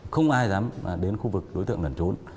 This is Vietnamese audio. không ai dám đến khu vực đối tượng lẩn trốn